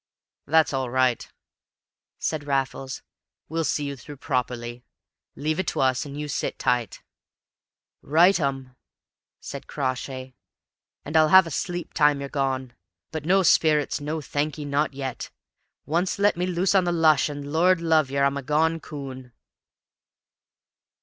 "That's all right," said Raffles. "We'll see you through properly. Leave it to us, and you sit tight." "Rightum!" said Crawshay. "And I'll have a sleep time you're gone. But no sperrits no, thank'ee not yet! Once let me loose on the lush, and, Lord love yer, I'm a gone coon!"